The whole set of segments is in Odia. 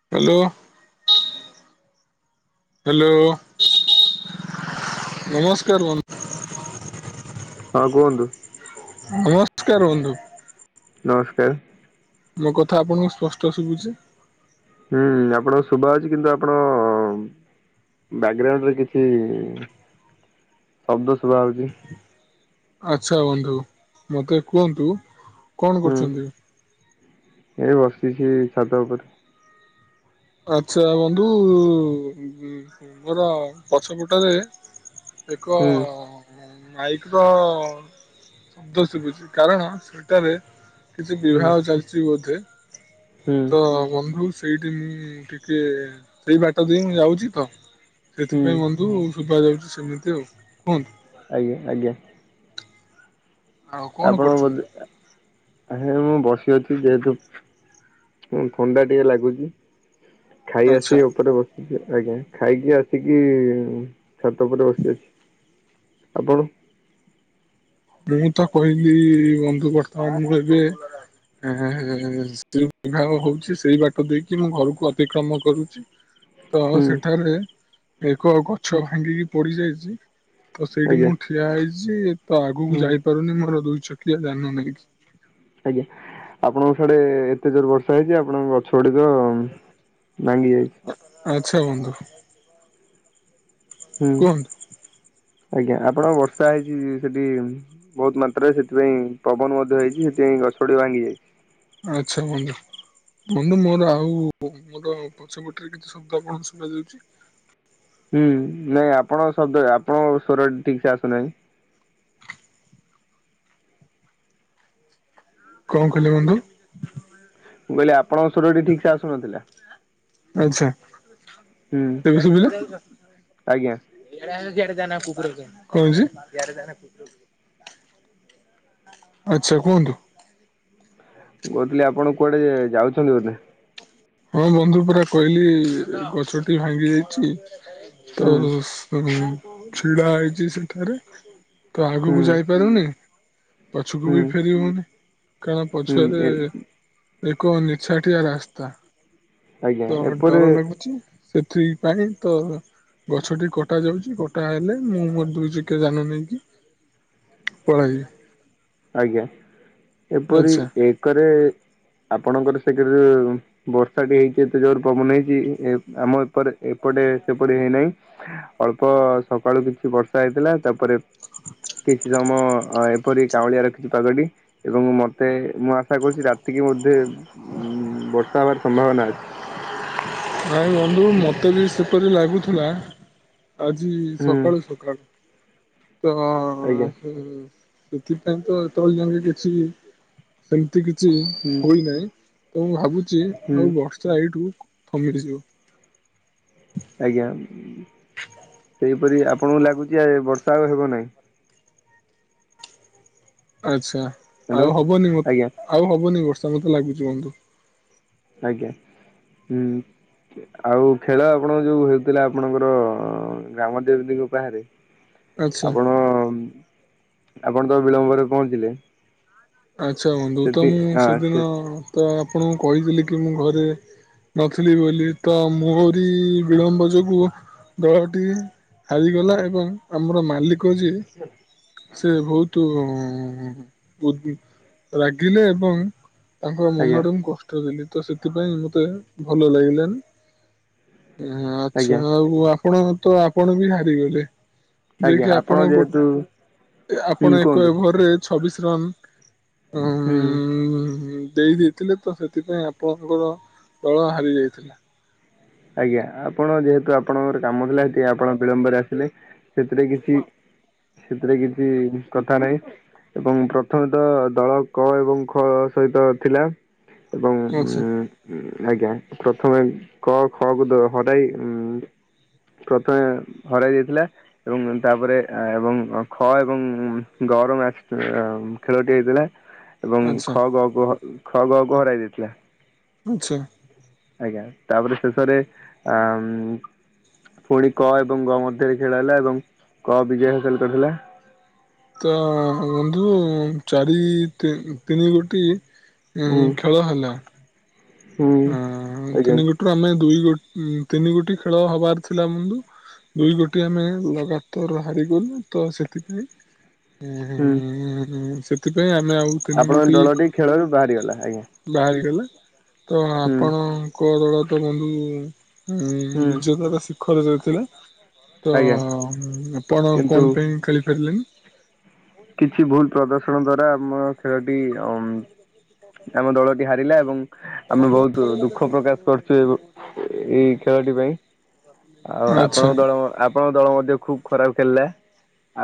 ହ୍ୟାଲୋ। ହ୍ୟାଲୋ ନମସ୍କାର ବ ହଁ କୁହନ୍ତୁ। ନମସ୍କାର ବନ୍ଧୁ। ନମସ୍କାର। ମୋ କଥା ଆପଣଙ୍କୁ ସ୍ପଷ୍ଟ ଶୁଭୁଚି। ହୁଁ ଆପଣଙ୍କ ଶୁଭା ହୋଉଚି କିନ୍ତୁ ଆପଣ ବ୍ୟାକଗ୍ରାଉଣ୍ଡରେ କିଛି ଶବ୍ଦ ଶୁଭା ହଉଚି। ଆଚ୍ଛା ବନ୍ଧୁ ମତେ କୁହନ୍ତୁ କଣ ହୁଁ କରୁଚନ୍ତି? ଏଇ ବସିଚି ଛାତ ଉପରେ। ଆଚ୍ଛା ବନ୍ଧୁ ମୋର ପଛପଟାରେ ଏକ ହୁଁ ମାଇକର ଶବ୍ଦ ଶିଭୁଚି। କାରଣ ସେଟାରେ କିଛି ହୁଁ ବିବାହ ଚାଲିଛି ବୋଧେ ହୁଁ ତ ବନ୍ଧୁ ସେଇଠି ମୁଁ ଟିକେ ସେଇ ବାଟ ଦେଇ ମୁଁ ଯାଉଚି ତ ହୁଁ ସେଥିପାଇଁ ବନ୍ଧୁ ସୁବାଯାଉଚି ସେମିତି ଆଉ କୁହନ୍ତୁ। ଆଜ୍ଞା ଆଜ୍ଞା। ଆଉ କଣ ଆପଣ କରୁଛନ୍ତି ବୋଦେ ଆ ମୁଁ ବସି ଅଛି ଯେହେତୁ ଥଣ୍ଡା ଟିକେ ଲାଗୁଚି। ଖାଇ ଆଚ୍ଛା ଆସିି ଉପରେ ବସ ଆଜ୍ଞା ଖାଇକି ଆସିକି ଛାତ ଉପରେ ବସି ଅଛି। ଆପଣ? ମୁଁ ତ କହିଲି ବନ୍ଧୁ ବର୍ତ୍ତମାନ ମୁଁ ଏବେ ଆଅ [unintelligible] ବିବାହ ହଉଚି ସେଇ ବାଟ ଦେଇକି ମୁଁ ଘରକୁ ଅତିକ୍ରମ କରୁଚି। ତ ହୁଁ ସେଠାରେ ଏକ ଗଛ ହୁଁ ଭାଙ୍ଗିକି ପଡି ଯାଇଛି ତ ସେଇଠି ଆଜ୍ଞା ମୁଁ ଠି ଠିଆ ହେଇଚି ତ ଆଗକୁ ହୁଁ ଯାଇପାରୁନି ମୋର ଦୁଇ ଚକିଆ ଜାନ ନେଇକି। ଆଜ୍ଞା ଆପଣଙ୍କ ସାଡେ ଏତେ ଜୋର ବର୍ଷା ହେଇଚି ଆପଣଙ୍କ ଗ ଛ ଗୁଡ଼ିକ ଭାଙ୍ଗି ଯାଇଚି। ଆଛା ବନ୍ଧୁ ହୁଁ କୁହନ୍ତୁ ଆଜ୍ଞା ଆପଣଙ୍କ ବର୍ଷା ହେଇଚି ସେଠି ବହୁତ ମାତ୍ରାରେ ସେଥିପାଇଁ ପବନ ମଧ୍ୟ ହେଇଛି ସେଥିପାଇଁ ଗଛ ଗୁଡିକ ଭାଙ୍ଗି ଯାଇଛି। ଆଛା ବନ୍ଧୁ। ମୋର ଆଉ ମୋର ପଛପଟରେ କିଛି ଶବ୍ଦ ଆପଣଙ୍କୁ ଶୁଣାଯାଉଚି? ହୁଁ ନାହିଁ ଆପଣ ଶବ୍ଦ ଆପଣଙ୍କ ସ୍ୱର ଠିକ୍ ସେ ଆସୁନାହିଁ। କଣ କହିଲେ ବନ୍ଧୁ? ମୁଁ କହିଲେ ଆପଣଙ୍କ ସ୍ୱରଟି ଠିକ ସେ ଆସୁନଥିଲା। ଆଛା ହୁଁ ଏବେ ସୁବୁଚି [inaudible] ଆଜ୍ଞା। ଆଚ୍ଛା କୁହନ୍ତୁ। ମୁଁ କହୁଥିଲି ଆପଣ କୁଆଡେ ଯାଉଛନ୍ତି ବୋଧେ? ହଁ ବନ୍ଧୁ ପରା କହିଲି ଗଛଟି ଭାଙ୍ଗି ଯାଇଚି ତ ହୁଁ ତ ଛିଡା ହେଇଛି ସେଠାରେ ତ ଆଗକୁ ହୁଁ ଯାଇପାରୁନି ପଛକୁ ହୁଁ ବି ଫେର ହଉନି। କାରଣ ହୁଁ ପଛରେ ଏ ଏକ ନିଛାଟିଆ ରାସ୍ତା। ଆଜ୍ଞା ତ ଏପରେ ଡର ଲାଗୁଚି। ସେଥିପାଇଁ ତ ଗଛଟି କଟା ଯାଉଛି। କଟା ହେଲେ ମୁଁ ମୋର ଦୁଇ ଚିକିଆ ଯାନ ନେଇକି ପଳେଇବି। ଆଜ୍ଞା ଏପରି ଆଚ୍ଛା ଏକରେ ଆପଣଙ୍କର ସେକେରେ। ବର୍ଷା ଟି ହେଇଛି ଏତେ ଜୋର ପବନ ହେଇଛି ଏ ଆମ ଏପଟେ ଏପଟେ ସେପରି ହେଇନାହିଁ। ଅଳ୍ପ ସକାଳୁ କିଛି ବର୍ଷା ହେଇଥିଲା ତାପରେ। କିଛି ସମୟ ଏପରି। କାଉଁଳିଆ ରଖିଛି ପାଗଟି ଏବଂ ମତେ ମୁଁ ଆଶା କରୁଛି ରାତିକି ବୋଧେ। ଉଁ ବର୍ଷା ହବାର ସମ୍ଭାବନା ଅଛି। ନାଇ ବନ୍ଧୁ ମୋତେ ବି ସେପରି ଲାଗୁଥିଲା। ଆଜି ହୁଁ ସକାଳୁ ସକାଳୁ ତ ଆଜ୍ଞା ସେ ସେଥିପାଇଁ ତ ଏତବେଳ ଯାଙ୍କେ କିଛି ସେମିତି କିଛି ହୁଁ ହୋଇନାହିଁ। ତ ମୁଁ ଭାବୁଛି ହୁଁ ଆଉ ବର୍ଷ ଏଇଠୁ ଥମି ଯିବ। ଆଜ୍ଞା। ସେହିପରି ଆପଣଙ୍କୁ ଲାଗୁଛି ଆ ଏ ବର୍ଷା ଆଉ ହେବ ନାହିଁ। ଆଚ୍ଛା ହ୍ୟାଲୋ ଆଉ ହବନି ମତେ ଆଜ୍ଞା ଆଉ ହବନି ବର୍ଷା ମତେ ଲାଗୁଛି ବନ୍ଧୁ। ଆଜ୍ଞା ହୁଁ। ଆଉ ଖେଳ ଆପଣଙ୍କ ଯୋଉ ହେଉଥିଲା ଆପଣଙ୍କର ଗ୍ରାମ ଦେବତି ଙ୍କ ପାଖରେ। ଆଚ୍ଛା ଆପଣ ଆପଣ ତ ବିଳମ୍ବରେ ପହଞ୍ଚିଲେ। ଆଚ୍ଛା ବନ୍ଧୁ ତ ସେଠି ମୁଁ ହଁ ସେ ସେଦିନ ତ ଆପଣଙ୍କୁ କହିଥିଲି କି, ମୁଁ ଘରେ ନଥିଲି ବୋଲି ତ ମୋରି ବିଳମ୍ବ ଯୋଗୁ। ଦଳଟି ହାରିଗଲା ଏବଂ ଆମର ମାଲିକ ଯିଏ। ସେ ବହୁତ ଉ ରାଗିଲେ ଏବଂ ତାଙ୍କ ଆଜ୍ଞା ମନରେ ମୁଁ କଷ ଷ୍ଟ ଦେଲି ତ ସେଥିପାଇଁ ମତେ ଭଲ ଲାଗିଲାନି। ଆଚ୍ଛା ଆଜ୍ଞା ଆଉ ଆପଣଙ୍କ ତ ଆପଣ ବି ହାରିଗଲେ। ଯିଏ ଆଜ୍ଞା କିି ଆପଣ ଗୋ ଯେହେତୁ ହୁଁ ଆପଣ ଏକ କୁହନ୍ତୁ ଓଭରରେ ଛବିଶ ରନ। ଅମ୍ ହୁଁ। ମ୍ ଦେଇ ଦେ ଇ ଥିଲେ ତ ସେଥିପାଇଁ ଆପଣଙ୍କର ଦଳ ହାରି ଯାଇଥିଲା। ଆଜ୍ଞା ଆପଣ ଯେହେତୁ ଆପଣଙ୍କର କାମ ଥିଲା ସେଥିପାଇଁ ଆପଣ ବିଳମ୍ବରେ ଆସିଲେ ସେଥିରେ କିଛି। ସେଥିରେ କିଛି କଥା ନାହିଁ। ଏବଂ ପ୍ରଥମେ ତ ଦଳ କ ଏବଂ ଖ ସହିତ ଥିଲା। ଏବଂ ଆଚ୍ଛା ଉଁ ଆଜ୍ଞା ପ୍ରଥମେ କ। ଖ କୁ ଦ ହରାଇ ଉଁ ପ୍ରଥମେ ହରାଇ ଦେଇଥିଲା। ଏବଂ ତାପରେ ଏବଂ ଖ ଏବଂ ଗ ର ମ୍ୟାଚ ଆମ୍ ଖେଳଟି ହେଇଥିଲା। ଏବଂ ଆଚ୍ଛା ଖ ଗ କୁ ହ ଖ ଗ କୁ ହରାଇ ଦେଇଥିଲା। ଆଚ୍ଛା। ଆଜ୍ଞା ତାପରେ ଶେଷରେ ଆମ୍ ଫୁଣି କ ଏବଂ ଗ ମଧ୍ୟରେ ଖେଳ ହେଲା ଏବଂ କ ବିଜୟ ହାସଲ କରିଥିଲା। ତ ବନ୍ଧୁ ଚାରି ତିନି ଗୋଟି। ଉଁ ଖେଳ ହେଲା। ହୁଁ ଆଁ ଆଜ୍ଞା ତିନି ଗୋଟିରୁ ଆମେ ଦୁଇ ଗୋ ତିନି ଗୋଟି ଖେଳ ହବାର ଥିଲା ବନ୍ଧୁ। ଦୁଇ ଗୋଟି ଆମେ ଲଗାତର ହାରିଗଲୁ ତ ସେଥିପାଇଁ। ଉଁ ହୁଁ ଉଁ ସେଥିପାଇଁ ଆମେ ଆଉ ତିନି ଆପଣଙ୍କ ଗୋଟି। ଦଳଟି ଖେଳରୁ ଆଜ୍ଞା। ବାହାରିଗଲା। ତ ହୁଁ ଆପଣଙ୍କ ଦଳ ତ ବନ୍ଧୁ ଉଁ ହୁଁ ବିଜେତା [unintelligible] ଖରେ ଯେ ଥିଲେ, ତ ଆଜ୍ଞା ଆପଣ କିନ୍ତୁ କଣ ପାଇଁ ଖେଳି ଫାରିଲେନି। କିଛି ଭୁଲ ପ୍ରଦଶଣ ଦ୍ଵାରା ମୋ ଖେଳଟି ଅମ୍ ଆମ ଦଳଟି ହାରିଲା ଏବଂ ଆମେ ବହୁତ ଦୁଃଖ ପ୍ରକାଶ କରୁଛୁ ଏ ଏଇ ଖେଳଟି ପାଇଁ। ଆଉ ଆଚ୍ଛା ଆପଣଙ୍କ ଦଳ, ଆ ଆପଣଙ୍କ ଦଳ ମଧ୍ୟ ଖୁବ ଖରାପ ଖେଳିଲା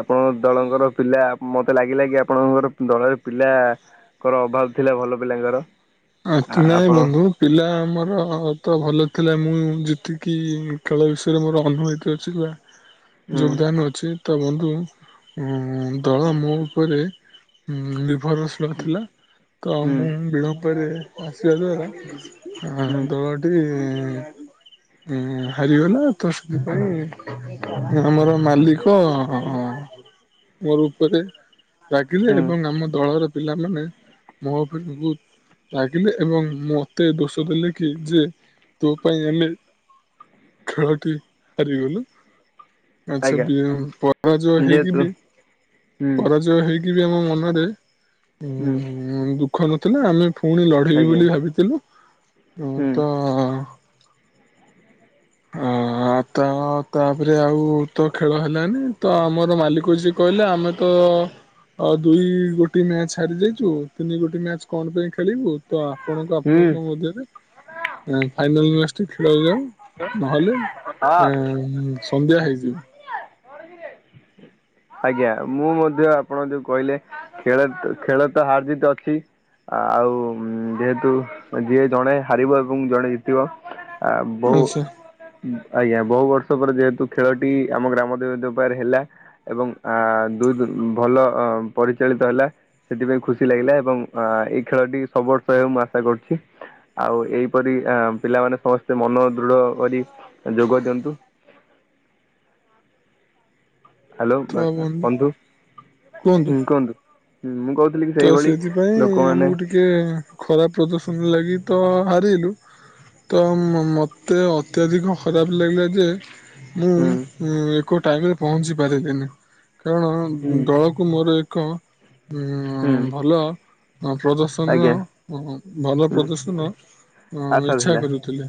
ଆପଣଙ୍କ ଦଳଙ୍କର ପିଲା ମତେ ଲାଗିଲା କି ଆପଣଙ୍କର ଦଳରେ ପିଲାଙ୍କର ଅଭାବ ଥିଲା ଭଲ ପିଲାଙ୍କର। ଆଙ୍କି ନାଇଁ ଆପଣ ବନ୍ଧୁ। ପିଲା ଆମର ତ ଭଲ ଥିଲା ମୁଁ ଯେତିକି ଖେଳ ବିଷୟରେ ମୋର ଅନୁଭୁତି [unintelligible] ହୁଁ ଯୋଗଦାନ ଅଛି, ତ ବନ୍ଧୁ ଉଁ ଦଳ ମୋ ମୋ ଉପରେ ନିର୍ଭରଶୀଳ ଥିଲା ତ ମୁଁ ହୁଁ ବିଳ ମ୍ବ ରେ ଆସିବା ଦ୍ୱାରା ଆ ହୁଁ। ଦଳଟି ହୁଁ ହାରିଗଲା ତ ସେଥିପାଇଁ ଆମର ମାଲିକ ମୋର ଉପରେ ରାଗିଲେ ହୁଁ ଏବଂ ଆମ ଦଳର ପିଲାମାନେ ମୋ ଉପରେ ବହୁତ ରାଗିଲେ ଏବଂ ମତେ ଦୋଷ ଦେଲେ କି ଯେ ତୋ ପାଇଁ ଆମେ ଖେଳଟି ହାରିଗଲୁ। ଆଚ୍ଛା ଆଜ୍ଞା ବି ପରାଜୟ ହେଇକି ଯେହେତୁ ବି ହୁଁ ପରାଜୟ ହେଇକି ବି ଆମ ମନରେ ଉଁ। ଉଁ ଦୁଃଖ ନଥିଲା ଆମେ ପୁଣି ଲଢେଇିବି ଆଜ୍ଞା ବୋଲି ଭାବିଥିଲୁ ହୁଁ ତ ଆ। ଆ ତ ତାପରେ ଆଉ ତ ଖେଳ ହେଲାନି ତ ଆମର ମାଲିକ ଯିଏ କହିଲେ ଆମେ ତ ଆ ଦୁଇ ଗୋଟି ମ୍ୟାଚ ହାରି ଯାଇଛୁ ତିନି ଗୋଟି ମ୍ୟାଚ କଣ ପାଇଁ ଖେଳିବୁ ତ ଆପଣଙ୍କ ହୁଁ ଆପଣଙ୍କ ମଧ୍ୟରେ ଫାଇନାଲ ମ୍ୟାଚ୍ ଟି ଖେଳ ହେଇଯାଉ। ନହେଲେ ହଁ ସନ୍ଧ୍ୟା ହେଇଯିବ। ଆଜ୍ଞା, ମୁଁ ମଧ୍ୟ ଆପଣ ଯୋଉ କହିଲେ ଖେଳ ଖେଳ ତ ହାରଜିିତ ଅଛି। ଆଉ ଯେହେତୁ ଯିଏ ଜଣେ ହାରିବ ଏବଂ ଜଣେ ଜି ତିବ ବହୁ ଆଚ୍ଛା ଆଜ୍ଞା ବହୁ ବର୍ଷ ପରେ ଯେହେତୁ ଖେଳ ଟି ଆମ ଗ୍ରାମରେ ଦୋବାଡ ହେଲା। ଏବଂ ଦୁଇ ଭଲ ପରିଚାଳିତ ହେଲା। ସେଥିପାଇଁ ଖୁସି ଲାଗିଲା ଏବଂ ଏଇ ଖେଳ ଟି ସବୁ ବର୍ଷ ହେଉ ମୁଁ ଆଶା କରୁଛି। ଆଉ ଏଇପରି ପିଲାମାନେ ସମସ୍ତେ ମନ ଦୃଢ କରି ଯୋଗ ଦିଅନ୍ତୁ। ହ୍ୟାଲୋ ବ ବନ୍ଧୁ ହୁଁ କୁହନ୍ତୁ। ହୁଁ ମୁଁ କହୁଥିଲି କି ସେଇଭଳି ଲୋକମାନେ ଟିଏ ଖରାପ ପ୍ରଦଷଣ ଲାଗି ତ ହାରିଲୁ। ତ ମ ମତେ ଅତ୍ୟଧିକ ଖରାପ ଲାଗିଲା ଯେ ମୁଁ ହୁଁ ଏକ ଟାଇମରେ ପହଞ୍ଚି ପାରିଲିନି କାରଣ ହୁଁ ଦଳ କୁ ମୋର ଏକ ଉ ଉଁ, ହୁଁ ଭଲ ପ୍ରଦର୍ଶନ ଆଜ୍ଞା ଭଲ ହୁଁ ପ୍ରଦର୍ଶନ। ଅ ଆଶା ଇଛା ଥିଲା କରୁଥିଲେ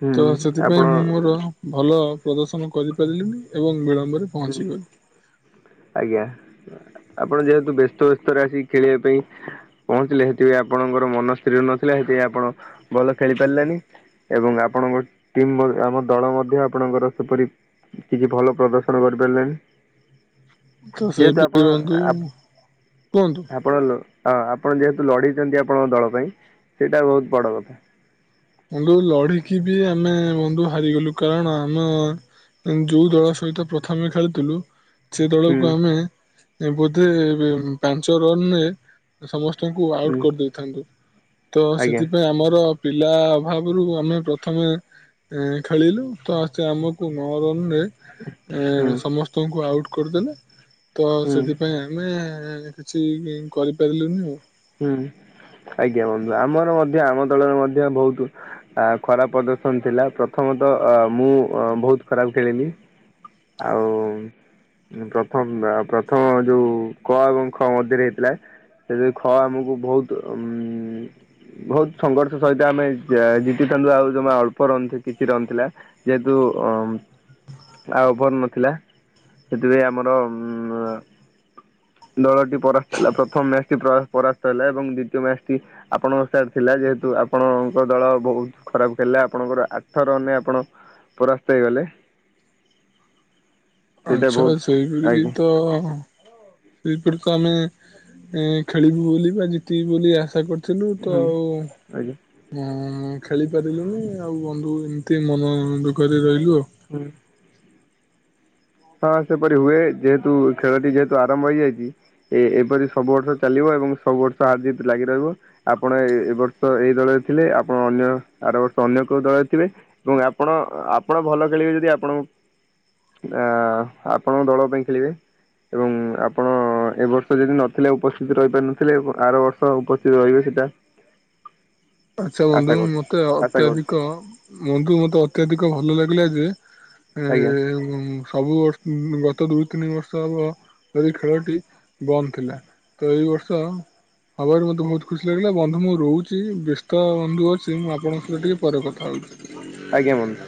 ହୁଁ ତ ସେଥିପାଇଁ ଆପଣ ମୁଁ ମୋର ଭଲ ପ୍ରଦର୍ଶନ କରିପାରିଲିନି ଏବଂ ବିଳମ୍ବରେ ହୁଁ ପହଞ୍ଚିଗଲି ଆଜ୍ଞା। ଆପଣ ଯେହେତୁ ବ୍ୟସ୍ତ ବ୍ୟସ୍ତରେ ଆସିକି ଖେଳିବା ପାଇଁ ପହଞ୍ଚିଲେ ସେଥିପାଇଁ ଆପଣଙ୍କର ମନ ସ୍ଥିର ନଥିଲା ସେଥିପାଇଁ ଆପଣ ଭଲ ଖେଳି ପାରିଲେନି। ଏବଂ ଆପଣଙ୍କ ଟିମ୍ ଆମ ଦଳ ମଧ୍ୟ ଆପଣଙ୍କର ସୁପର୍ ହିଟ୍ କିଛି ଭଲ ପ୍ରଦର୍ଶନ [unintelligible] କରିପାରିଲେନି। ତସେଇ ଯେହେତୁ [unintelligible] ବନ୍ଧୁ ଆପଣ କୁହନ୍ତୁ? ଆପଣ ଲ ଆପଣ ଯେହେତୁ ଲଢିଛନ୍ତି ଆପଣଙ୍କ ଦଳ ପାଇଁ ସେଇଟା ବହୁତ୍ ବଡ଼ କଥା। ବନ୍ଧୁ ଲଢିକିବି ଆମେ ବନ୍ଧୁ ହାରିଗଲୁ କାରଣ ଆମ ଯୋଉ ଦଳ ସହିତ ପ୍ରଥମେ ଖେଳୁଥିଲୁ ହୁଁ ସେଦଳକୁ ଆମେ ବୋଧେ ପାଞ୍ଚ ରନରେ ସମସ୍ତଙ୍କୁ ଆଉଟ୍ ହୁଁ କରିଦେଇଥାନ୍ତୁ ଆଜ୍ଞା ତସେଥିପାଇଁ ଆମର ପିଲା ଭାବରୁ ଆମେ ପ୍ରଥମେ ଖେଳିଲୁ ତସେଆମକୁ ନଅ ରନରେ ଏ ହୁଁ ସମସ୍ତଙ୍କୁ ଆଉଟ୍ କରିଦେଲେ ହୁଁ ତସେଥିପାଇଁ ଆମେ କିଛି କରିପାରିଲୁନି ଆଉ। ହୁଁ ଆଜ୍ଞା ବନ୍ଧୁ ଆମର ମଧ୍ୟ ଆମ ଦଳରେ ମଧ୍ୟ ବହୁତ୍ ଆ ଖରାପ୍ ପ୍ରଦର୍ଶନ ଥିଲା ପ୍ରଥମତଃ ଅ ମୁଁ ବହୁତ୍ ଖରାପ୍ ଖେଳିଲି ଆଉ ପ୍ରଥମ ପ୍ରଥମ ଯେଉଁ କ ଏବଂ ଖ ମଧ୍ୟରେ ହେଇଥିଲା। ସେ ଯୋଉ ଖ ଆମକୁ ବହୁତ୍ ଉଁ ବହୁତ୍ ସଂଘର୍ଷ ସହିତ ଆମେ ଜିତିଥାନ୍ତୁ ଆଉ ଯମା ଅଳ୍ପ ରନ୍ କିଛି ରନ୍ ଥିଲା। ଜେହେତୁ ଅମ୍ ଆଉ ଓଭର୍ ନଥିଲା ସେଥିପାଇଁ ଆମର ଉଁ ଦଳଟି ପରାସ୍ତ ହେଲା ପ୍ରଥମ ମ୍ୟାଚ୍ ଟି ପରାସ୍ତ ହେଲା ଏବଂ ଦ୍ଵିତୀୟ ମ୍ୟାଚ୍ ଟି ଆପଣଙ୍କ ସାଇଟ୍ ଥିଲା ଯେହେତୁ ଆପଣଙ୍କ ଦଳ ବହୁତ୍ ଖରାପ୍ ଖେଳିଲେ ଆପଣଙ୍କର ଆଠ ରନ୍ ରେ ଆପଣ ପରାସ୍ତ ହେଇଗଲେ ସେଇଟା ଆଚ୍ଛା ବହୁତ ସେଇଭଳିକି ଆଜ୍ଞା ତ ସେଇପରିତ ଆମେ ଖେଳିବୁ ବୋଲି ବା ଜିତିବୁ ବୋଲି ଆଶା କରୁ ଥିଲୁ ତ ହୁଁ ଆଉ ଆଜ୍ଞା ହଁ ଖେଳି ପାରିଲୁନି ଆଉ ବନ୍ଧୁ ଏମିତି ମନ ଦୁଃଖରେ ରହିଲୁ ଆଉ ହୁଁ। ହଁ ସେପରି ହୁଏ ଯେହେତୁ ଖେଳଟି ଯେହେତୁ ଆରମ୍ଭ ହେଇଯାଇଚି। ଏ ଏପରି ସବୁ ବର୍ଷ ଚାଲିବ ଏବଂ ସବୁ ବର୍ଷ ହାର ଜିତ୍ ଲାଗି ରହିବ। ଆପଣ ଏବର୍ଷ ଏଇ ଦଳରେ ଥିଲେ ଆପଣ ଅନ୍ୟ ଆର ବର୍ଷ ଅନ୍ୟ କୋଉ ଦଳରେ ଥିବେ। ଏବଂ ଆପଣ ଆପଣ ଭଲ ଖେଳିବେ ଯଦି ଆପଣଙ୍କୁ ଆ ଆପଣଙ୍କ ଦଳ ପାଇଁ ଖେଳିବେ? ଏବଂ ଆପଣ ଏବ ବର୍ଷ ଯଦି ନଥିଲେ ଉପସ୍ଥିତ ରହିପାରିନଥିଲେ ଆର ବର୍ଷ ତ ଉପସ୍ଥିତ ରହିବେ ସେଟା [inaudible] ଆଚ୍ଛା ଆଶା ବନ୍ଧୁ କରୁଛି ମତେ ଆଶା କରୁଛି ଅତ୍ୟଧିକ ବନ୍ଧୁ ମତେ ଅତ୍ୟଧିକ ଭଲ ଲାଗିଲା ଯେ ଆଜ୍ଞା [unintelligible] ସବୁ ବ ଗତ ଦୁଇ ତିନି ବର୍ଷ ହବ ଧରି ଖେଳଟି ବନ୍ଦ ଥିଲା। ତ ଏଇ ବର୍ଷ ହବାରେ ମତେ ବହୁତ୍ ଖୁସି ଲାଗିଲା ବନ୍ଧୁ ମୁଁ ରହୁଛି ବେସ୍ ତବନ୍ଧୁ ଅଛି ମୁଁ ଆପଣଙ୍କ ସହିତ ଟିକେ ପରେ କଥା ହେଉଚି। ଆଜ୍ଞା ବନ୍ଧୁ।